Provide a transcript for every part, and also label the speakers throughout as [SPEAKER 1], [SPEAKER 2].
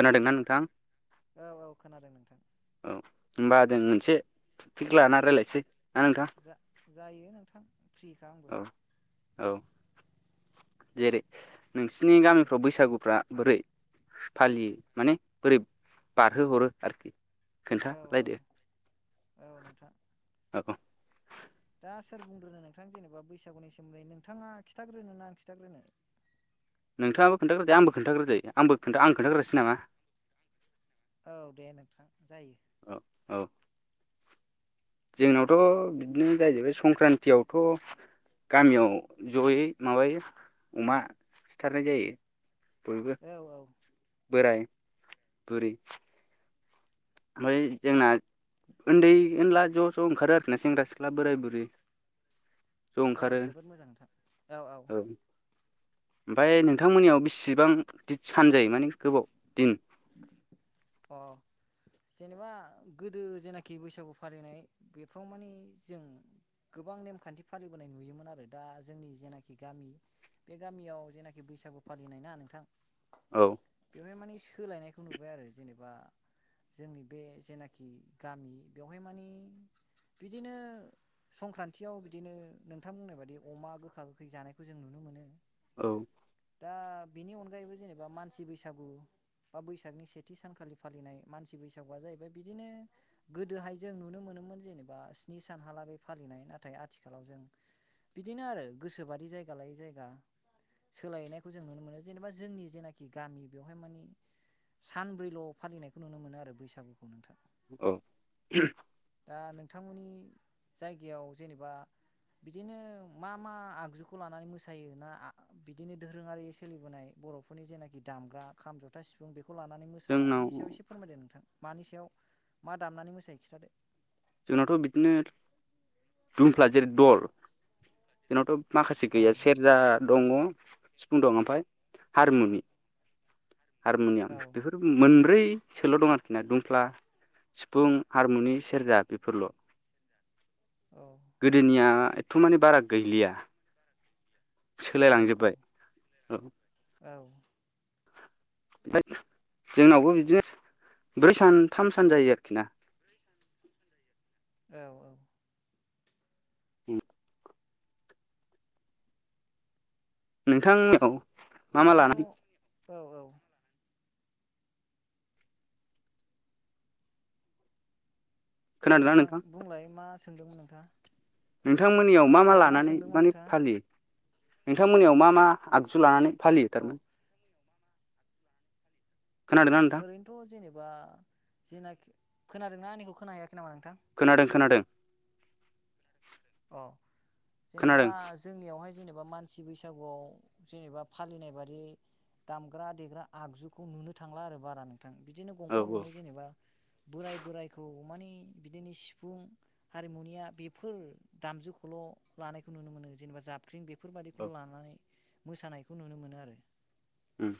[SPEAKER 1] खोनादोंना नोंथां?
[SPEAKER 2] औ औ खोनादों नोंथां।
[SPEAKER 1] औ होमबा जों मोनसे पिक लाना रायज्लायनोसै
[SPEAKER 2] जा जायो नोंथां फ्रिखा आंबो
[SPEAKER 1] औ औ जेरै नोंसिनि गामिफ्राव बैसागुफ्रा बोरै फालियो माने बोरै बारहोहरो आरोखि
[SPEAKER 2] औ औ
[SPEAKER 1] खोन्थालायदो
[SPEAKER 2] औ नोंथां
[SPEAKER 1] औ
[SPEAKER 2] दा सोर बुंग्रोनो नोंथां जेनेबा बैसागुनि सोमोन्दै नोंथाङा खिथाग्रोनो ना आं खिथाग्रोनो
[SPEAKER 1] नोंथाङाबो खोनथाग्रोद आंबो खोनथाग्रो द आंबोथा आं खोनन्थाग्रासै नामा?
[SPEAKER 2] औ दे नोंथां जायो।
[SPEAKER 1] औ औ। जोंनावथ' बिदिनो जाहैबाय संक्रान्तियावथ'। गामियाव जयै माबायो अमा सिथारनाय जायो। बयबो
[SPEAKER 2] औ औ
[SPEAKER 1] बोराय बुरै आमफाय जोंना उन्दै उनला ज' ज' ओंखारो आरोखि ना सेंग्रा सिख्ला बोराय बुरि।
[SPEAKER 2] औ जोबोद मोजांथार।
[SPEAKER 1] औ ओमफ्राय नोंथांमोननियाव बेसिबां दिद सान जायो माने गोबाव दिन।
[SPEAKER 2] अ। जेनेबा गोदो जेनाखि बैसागु फालिनाय बेफ्राव मानि जों गोबां नेमखान्थि फालिबोनाय नुयोमोन आरो दा जोंनि जेनाखि गामि बे गामियाव जेनाखि बैसागु फालिनाय ना नोंथां
[SPEAKER 1] औ
[SPEAKER 2] बेवहाय मानिे सोलायनायखौ नुबाय आरो जेनेबा जोंनि बे जेनाखि गामि बेवहाय मानिे बिदिनो। संक्रान्तियाव बिदिनो नोंथां बुंनाय बाददि अमा गोखा गोखै जानायखौ जों नुनो मोनो।
[SPEAKER 1] औ।
[SPEAKER 2] ओ दा बिनि अनगायैबो जेनेबा मानसि बैसागु बा बैसागनि से खाथि सानखालि फालिनाय मानसि बैसागुआ जाहैबाय बिदिनो गोदोहाय जों नुनो मोनोमोन जेनेबा स्नि सानहााला बे फालिनाय नाथाय आथिखालाव जों बिदिनो आरो गोसोबारि जायगा लायै जायगा सोलायनायखौ जों नुनो मोनो जेनेबा जोंनि जेनाखि गामि बेवहाय माने सानब्रैल' फालिनायखौ नुनो मोनो आरो बैसागुखौ नोंथां।
[SPEAKER 1] औ।
[SPEAKER 2] दा नोंथांमोननि जायगायाव जेनेबा बिदिनो मा मा आगजुखौ लानानै मोसायो ना बिदिनो दोरोङारि सोलिबोनाय ब बर'फोरनि जेनाखि दामग्रा खाम जथा सिफुं बे खौ लानानै मोसाला
[SPEAKER 1] जोंनाव
[SPEAKER 2] बिनि सायाव एसे फोरमायदो नोंथां मानि सायाव मा दामनानै मोसायो खिथादो।
[SPEAKER 1] जोंनावथ' बिदिनो दुमफ्ला जेरै दल जोंनावथ' माखासे
[SPEAKER 2] औ
[SPEAKER 1] गैया सेरजा दङ सिफुं दं ओमफाय हारमुनि हारमु'नियाम
[SPEAKER 2] औ
[SPEAKER 1] बेफोर मोनब्रै। सोल' दं आरोखि ना सिफुं हारमुनि सेरजा बेफोरल'।
[SPEAKER 2] औ
[SPEAKER 1] गोदोनिया एथ'मानि बारा गैलिया
[SPEAKER 2] औ
[SPEAKER 1] सोलायलांजोब्बाय औ।
[SPEAKER 2] औ
[SPEAKER 1] ओफ्राय जोंनावबो बिदिनो ब्रै सान थाम सान जायो आरोखि ना।
[SPEAKER 2] औ औ।
[SPEAKER 1] उम। नोंथांमोनाव।
[SPEAKER 2] ओरैनोथ' औ औ। औ नोंथां बुंलाय मा सोंदोंमोन नोंथाङा?
[SPEAKER 1] नोंथांमोननियाव मा मा
[SPEAKER 2] औ
[SPEAKER 1] लानानै
[SPEAKER 2] सोंदोंमोन
[SPEAKER 1] माने
[SPEAKER 2] नोंथाङा
[SPEAKER 1] फालियो? नोंथांमोननियाव मा मा आगजु लानानै फालियो
[SPEAKER 2] अ
[SPEAKER 1] थारमान।
[SPEAKER 2] औ
[SPEAKER 1] खोनादोंना नोंथां
[SPEAKER 2] ओरैनोथ' जेनेबा जेनाखि खोनादोंना आंनिखौ खोना हैयाख
[SPEAKER 1] खोनादों खोनादों।
[SPEAKER 2] औ जेनेबा
[SPEAKER 1] खोनादों
[SPEAKER 2] जोंनियावहाय जेनेबा मानसि बैसागुआव जेनेबा फालिनाय बादि दामग्रा देग्रा आगजुखौ नुनो थांला आरो बारानो थां बिदिनो
[SPEAKER 1] औ
[SPEAKER 2] गंफा
[SPEAKER 1] औ
[SPEAKER 2] गंनै जेनेबा बोराय बोरायखौ अमानि बिदिनो सिफुं हारिमुनिया बेफोर दामजुखौल' लानायखौ नुनो मोनो जेनेबा जाफख्रिं
[SPEAKER 1] औ
[SPEAKER 2] बेफोरबायदिखौल' लानानै। मोसानायखौ नुनो मोनो आरो
[SPEAKER 1] ओम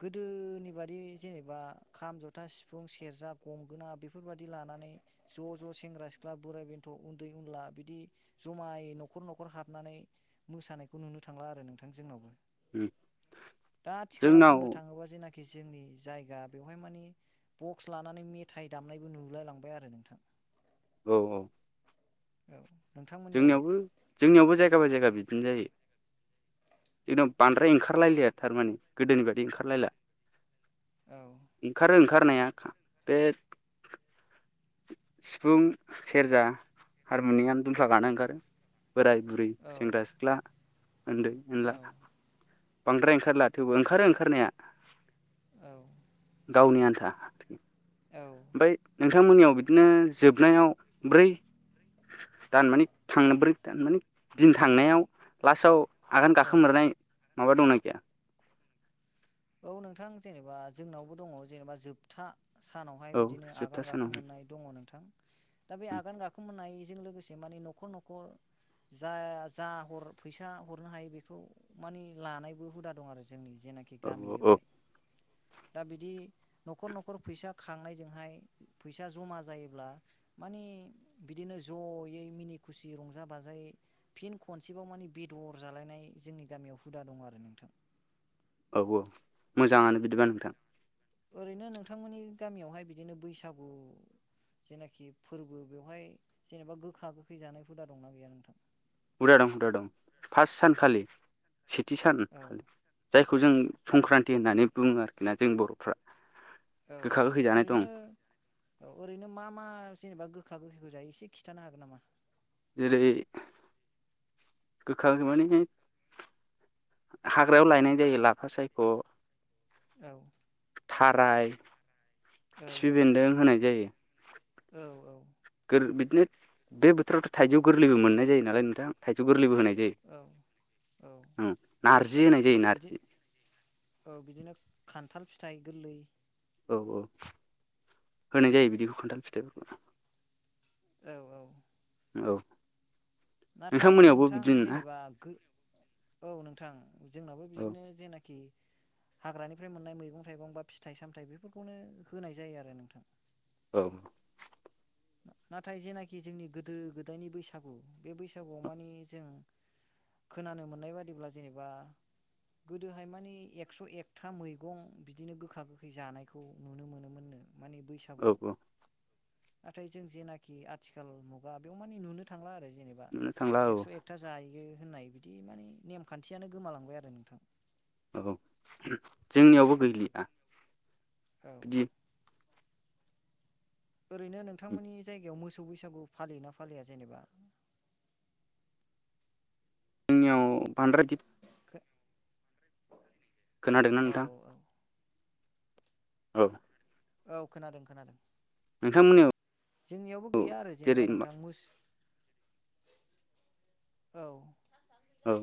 [SPEAKER 2] गोदोनि बादि जेनेबा खाम जथा सिफुं सेरजा गंगोना बेफोरबायदि लाना नै ज' ज' सेंग्रा सिख्ला बोराय बेन्थ' उन्दै उनला बिदि जमायै न'खर न'खर हाब नानै मोसानायखौ नुनो थांला आरो नोंथां जोंनावबो
[SPEAKER 1] ओम
[SPEAKER 2] दा आथिखालाव
[SPEAKER 1] जोंनाव
[SPEAKER 2] [unintelligible] जेनाखि जोंनि जायगा बेवहाय माने बक्स लानानै मेथाइ दामनायबो नुलाय लांबाय आरो नोंथां
[SPEAKER 1] औ औ
[SPEAKER 2] औ नोंथांमोननियावलाय
[SPEAKER 1] जोंनियावबो जोंनियावबो जायगा बाय जायगा बिदिनो जायो जोंनाव बांद्राय ओंखारलायलिया थारमाने गोदोनि बायदि ओंखारलायला
[SPEAKER 2] औ
[SPEAKER 1] ओंखारो ओंखारनाया खा बे सिफुं सेरजा हारमुनियाम दुमफ्ला गानो ओंखारो बोराय बुरै
[SPEAKER 2] औ
[SPEAKER 1] सेंग्रा सिख्ला ओन्दै ओनला बांद्राय ओंखारला थेवबो ओंखारो ओंखारनाया
[SPEAKER 2] औ
[SPEAKER 1] गावनि आन्था [unintelligible]
[SPEAKER 2] औ
[SPEAKER 1] ओमफाय नोंथांमोननियाव बिदिनो जोबनायाव ब्रै दानमाने थांब्रै दानमाने दिन थांनायाव लास्टाव आगान
[SPEAKER 2] औ
[SPEAKER 1] गाखोमोरनाय माबा दंना गैया!
[SPEAKER 2] औ नोंथां जेनेबा जोंनावबो दङ जेनेबा जोबथा सानावहाय
[SPEAKER 1] औ
[SPEAKER 2] बिदिनो
[SPEAKER 1] जोबथा
[SPEAKER 2] आगान
[SPEAKER 1] सानाव
[SPEAKER 2] गाखोमोननाय दङ नोंथां दा बे आगान गाखोमोननाय जों लोगोसे माने न'खर न'खर जा जा ह फैसा हरनो हायो बेखौ माने लानायबो हुदा दं आरो जोंनि जेनाखि
[SPEAKER 1] औ
[SPEAKER 2] गामि
[SPEAKER 1] औ
[SPEAKER 2] बेवहाय दा बिदि न'खर न'खर फैसा खांनायजोंहाय फैसा जमा जायोब्ला मानि बिदिनो जयै मिनि खुसि रंजा बाजायै फिन खनसेबाव माने बेदर जालायनाय जोंनि ग गामियाव हुदा दं आरो नोंथां
[SPEAKER 1] [unintelligible] औ औ मोजाङानो
[SPEAKER 2] औ
[SPEAKER 1] बिदिबा नोंथां
[SPEAKER 2] ओरैनो नोंथांमोननि गामियावहाय बिदिनो बैसागु जेनाखि फोरबो बेवहाय जेनेबा गोखा गोखै जानाय हुदा दंना गैया नोंथां?
[SPEAKER 1] हुजा दं हुदा दं फास सानखालि सेथि
[SPEAKER 2] औ
[SPEAKER 1] सानलि जायखौ जों
[SPEAKER 2] औ
[SPEAKER 1] संक्रान्ति होननानै बुङो आरोखि ना जों बर'फ्रा
[SPEAKER 2] औ
[SPEAKER 1] गोखा
[SPEAKER 2] औ
[SPEAKER 1] गोखै जानाय दं
[SPEAKER 2] ओरैनो औ ओरैनो मा मा जेनेबा गोख बिाग गोसैखौ जायो एसे खिन्थानो हागोन नामा?
[SPEAKER 1] जेरै गोखा गोखै माने हाग्रायाव लायनाय जायो लाफा सायखौ
[SPEAKER 2] औ
[SPEAKER 1] थाराय खिफि बेन्दों होनाय जायो
[SPEAKER 2] औ औ
[SPEAKER 1] गोर बिदिनो बे बोथोरावथ' थाइजौ गोरलैबो मोननाय जायो नालाय नोंथाङा थाइजौ गोरलैबो होनाय जायो
[SPEAKER 2] औ औ
[SPEAKER 1] नार्जि होनाय जायो
[SPEAKER 2] बिदि
[SPEAKER 1] नारजि
[SPEAKER 2] औ बिदिनो खान्थाल फिथाइ गोरलै
[SPEAKER 1] औ औ होनाय
[SPEAKER 2] औ
[SPEAKER 1] जायो बिदिखौ खन्थाल फिथाइफोर
[SPEAKER 2] औ औ
[SPEAKER 1] औ
[SPEAKER 2] नाथाय
[SPEAKER 1] नोंथांमोननियावबो
[SPEAKER 2] नोंथां
[SPEAKER 1] बिदिनो ना
[SPEAKER 2] जेनेबा औ नोंथां जोंनाबो
[SPEAKER 1] औ
[SPEAKER 2] बिदिनो जेनाखि हाग्रानिफ्राय मोननाय मैगं थाइगं बा फिथाइ सामथायाइ बेफोरखौनो होनाय जायो आरो नोंथां
[SPEAKER 1] औ
[SPEAKER 2] नाथाय जेनाखि जोंनि गोदो गोदायनि बैसागु बे बैसागुआव माने जों खोनानो मोननाय बादिब्ला जेनेबा गोदोहाय मानिे एकस' एकथा मैगं बिदिनो गोखा गोखै जानायखौ नुनो मोनोमोननो माने
[SPEAKER 1] औ
[SPEAKER 2] बैसागुआव
[SPEAKER 1] औ
[SPEAKER 2] नाथाय जों जेनाखि आथिखाल मुगा बेयाव माने नुनो थांला आरो जेनेबा
[SPEAKER 1] नुनो थांला औ
[SPEAKER 2] एकस' एकथा जायो बियो होननाय बिदि माने नेमखान्थियानो गोमालांबाय आरो नोंथां
[SPEAKER 1] औ जोंनियावबो गैलिया
[SPEAKER 2] औ
[SPEAKER 1] बिदि
[SPEAKER 2] ओरैनो नोंथांमोननि जायगायाव मोसौ बैसागु फालियोना फालिया जेनेबा?
[SPEAKER 1] जोंनिआव बांन्द्राय इद खोनादोंना
[SPEAKER 2] औ
[SPEAKER 1] नोंथां औ
[SPEAKER 2] औ खोनादों खोनादों
[SPEAKER 1] नोंथांमोननियाव
[SPEAKER 2] जोंनियावबो गैया आरो
[SPEAKER 1] जेरै
[SPEAKER 2] जेनेबा नोंथां मोस औ
[SPEAKER 1] औ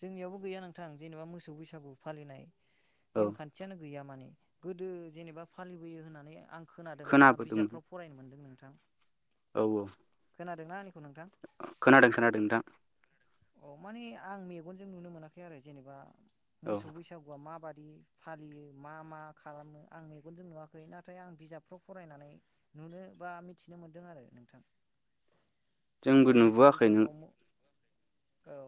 [SPEAKER 2] जोंनियावबो गैया नोंथां जेनेबा मोसौ बैसागु फालिनाय
[SPEAKER 1] औ
[SPEAKER 2] नेमखान्थियानो गैया माने गोदो जेनेबा फालिबोयो होननानै आं खोनादों बा
[SPEAKER 1] खोनाबोदोंमोन
[SPEAKER 2] बिजाबफ्राव फरायनो मोनदों नों थां
[SPEAKER 1] औ औ
[SPEAKER 2] खोनादोंना [unintelligible]
[SPEAKER 1] खनाादों खनाादों दा
[SPEAKER 2] अ माने आं मेगनजों नुनो मोनाखै आरो जेनेबा
[SPEAKER 1] औ
[SPEAKER 2] मोसौ बैसागुआ माबाददि बिदि फालियो मा मा खालामो आं मेगनजों नुवाखै नाथाय आं बिजाबफ्राव फरायनानै नुनो बा मिथिनो मोन्दों आरो नोंथां
[SPEAKER 1] जोंबो
[SPEAKER 2] जेनेबा मोसौ
[SPEAKER 1] नुबोआखै नु
[SPEAKER 2] बैसागुआव औ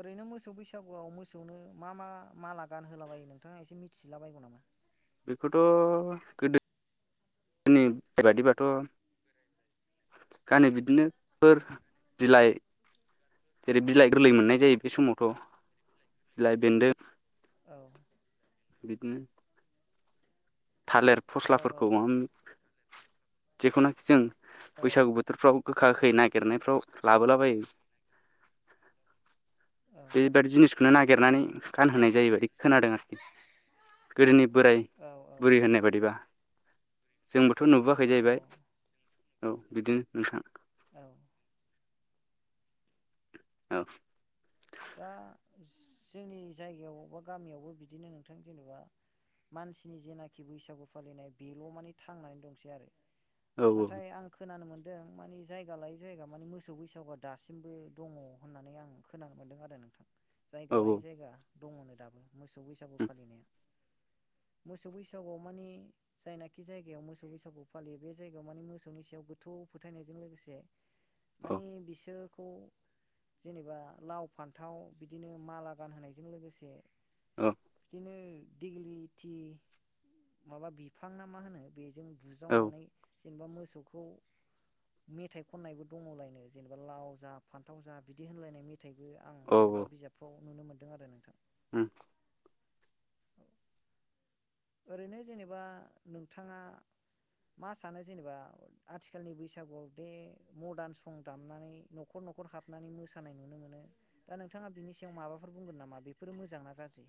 [SPEAKER 2] ओरैनो मोसौ बैसागुआव मोसौनो मा मा माला गान होलाबायो नोंथाङा एसे मिथिला बायगौ नामा?
[SPEAKER 1] बेखौथ' गोदोनि बायदिबाथ' गानो‌बिदिनो फोर बिलाइ जेरै बिलाइ गोरलै मोननाय जायो बे समावथ' बिलाइ बेन्दों
[SPEAKER 2] औ
[SPEAKER 1] बिदिनो थालिर
[SPEAKER 2] औ
[SPEAKER 1] फस्लाफोरखौ
[SPEAKER 2] औ
[SPEAKER 1] जेख'नाखि जों
[SPEAKER 2] औ
[SPEAKER 1] बैसागु बोथोरफ्राव गोखा गोखै नागिरनायफ्राव लाबोलाबायो।
[SPEAKER 2] [inaudible] [unintelligible] औ
[SPEAKER 1] बेबादि जिनिसखौनो नागिरनानै गानहोनाय जायोबायदि खोनादों आरोखि गोदोनि बोराय बुरै
[SPEAKER 2] औ
[SPEAKER 1] होननाय बायदिबा। जोंबोथ' नुबोआखै
[SPEAKER 2] औ
[SPEAKER 1] जाहैबाय औ बिदिनो नोंथां
[SPEAKER 2] औ
[SPEAKER 1] औ
[SPEAKER 2] दा जोंनि जायगायाव बा गामियावबो बिदिनो नोंथां जेनेबाह मानसिनि जेनाखि बैसागु फालिनाय बेल' माने थांनानै दंसै आरो
[SPEAKER 1] औ
[SPEAKER 2] नाथाय आं खोनानो मोनदों दों माने जायगा लायै जायगा माने मोसौ बैसागुआ दासिमबो दङ होननानै आं खोनानो मोनदों आरो नोंथां जायगा
[SPEAKER 1] औ
[SPEAKER 2] लायै जायगा दङनो दाबो मोसौ बैसागु फालिनाया। मोसौ बैसागुआव मानि जायनाखि जायगायाव मोसौ बैसागु फालियो बे जायगायाव मानि मोसौनि सायाव गोथौ फोथायनायजों लोगोसे मानि बिसोरखौ जेनेबा लाव फान थाव बिदिनो माला गानहोनायजों लोगोसे
[SPEAKER 1] औ
[SPEAKER 2] दिनो दिग्लिथि माबा बिफां ना मा होनो बेजों
[SPEAKER 1] औ
[SPEAKER 2] बुज्रावनानै जेनेबा मोसौखौ मेथाइ खननायबो दङ'लायनो जेनेबा लाव जा फान्थाव जा बिदि होनलायनाय मेथाइबो आं जेनेबा बिजाबफ्राव नुनो मोनदों आरो नोंथां।
[SPEAKER 1] ओम
[SPEAKER 2] ओरैनो जेनेबा नोंथाङा मा सानो जेनेबा आथिखालनि बैसागुआव बे मदार्न सं दामनानै न'खर न'खर हाबनानै मोसानाय नुनो मोनो दा नोंथाङा बिनि सायाव माबाफोर बुंगोन नामा बेफोरो मोजां ना गाज्रि?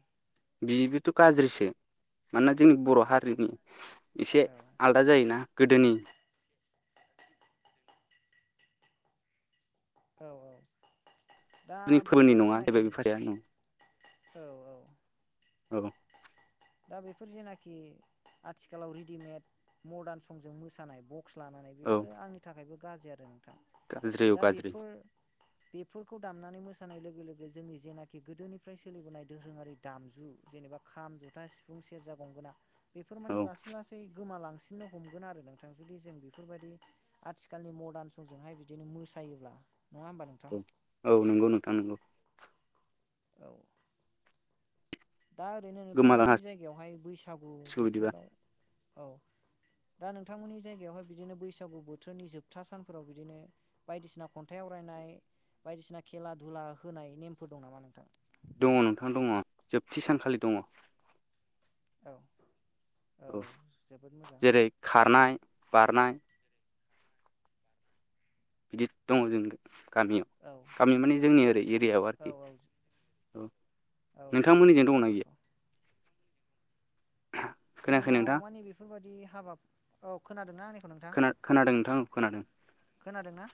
[SPEAKER 1] बिबोथ' गाज्रिसो मानोना जोंनि बर' हारिनि एसे
[SPEAKER 2] औ
[SPEAKER 1] आलादा जायोना गोदोनि
[SPEAKER 2] औ औ दा बेफोर जेनाखि
[SPEAKER 1] [unintelligible]
[SPEAKER 2] औ औ
[SPEAKER 1] औ
[SPEAKER 2] दा बे फोर जेनाखि आथिखालाव रेडिमेड मदार्न संजों मोसानायखौ क्स लानानै
[SPEAKER 1] औ
[SPEAKER 2] बेफोरो आंनि थाखायबो गाज्रि आरो
[SPEAKER 1] गाज्रि औ गाज्रि
[SPEAKER 2] फोर बेफोरखौ दामनानै मोस मोसानाय लोगो लोगो जोंनि जेनाखि गोदोनिफ्राय सोलिबोनाय धोरोङारि दामजु जेनेबा खाम जथा सिफुं सेरजा गंगोना बेफोर
[SPEAKER 1] औ
[SPEAKER 2] माने लासै लासै गोमालां सिननो हमगोन आरो नोंथां जुदि जों बेफोरबायदि आथिखालनि मदार्न समजोंहाय बिदिनो मोसायोब्ला नङा होमबा नोंथां
[SPEAKER 1] औ औ नंगौ नोंथां नंगौ।
[SPEAKER 2] औ दा ओरैनो
[SPEAKER 1] गोमालां
[SPEAKER 2] नोंथांमोननि जायगायावहाय बैसागु
[SPEAKER 1] हासिगौ बिदिबा
[SPEAKER 2] बोथोराव औ दा नोंथांमोननि जायगायावहाय बिदिनो बैसागु बोथोरनि जोबथा सानफोराव बिदिनो बायदिसिना खन्थाइआव फरायनाय बायदिसिना खेला दुला होनाय नेमफोर दं नामा नोंथां?
[SPEAKER 1] दङ' नोंथां दङ' जोबथि सानखालि दङ'
[SPEAKER 2] औ औ
[SPEAKER 1] ओफ
[SPEAKER 2] जोबोद मोजां
[SPEAKER 1] जेरै खारनाय बारनाय बिदि दङ' जों गामियाव
[SPEAKER 2] औ
[SPEAKER 1] गामि माने जोंनि ओरै एरियायाव
[SPEAKER 2] औ
[SPEAKER 1] आरोखि
[SPEAKER 2] औ
[SPEAKER 1] औ
[SPEAKER 2] औ जोबोद
[SPEAKER 1] नोंथांमोननिजों
[SPEAKER 2] मोजां
[SPEAKER 1] दंना
[SPEAKER 2] अब्लाथ'
[SPEAKER 1] गैया? खोनायाखै
[SPEAKER 2] जोंनाव
[SPEAKER 1] नोंथां
[SPEAKER 2] मानि बेफोरबायदि हाबा औ खोनादों।
[SPEAKER 1] खोना-खोनादों नोंथां खोनादों।
[SPEAKER 2] खोनादों ना?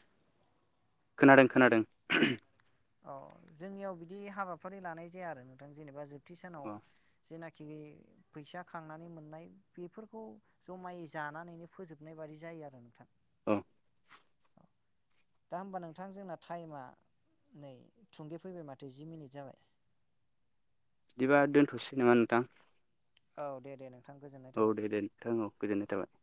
[SPEAKER 1] खोनादों खोनादों
[SPEAKER 2] औ जोंनियाव बिदि हाबाफारि लानाय जाया आरो नोंथां जेनेबा जोबथि सानाव
[SPEAKER 1] अ
[SPEAKER 2] जेनाख खि फैसा खांनानै मोननाय बेफोरखौ जमाय जानानैनो फोजोबनाय बायदि जाय यो आरो नोंथां।
[SPEAKER 1] औ
[SPEAKER 2] दा होमबा नोंथां जोंना टाइमा नै थुंगे फैबाय माथो जि मिनिट जाबाय। [inaudible]
[SPEAKER 1] बिदिबा दोनथ'सै नामा नोंथां?
[SPEAKER 2] औ दे दे नों
[SPEAKER 1] औ दे दे नोंथां औ गोजोन्नाय थाबाय।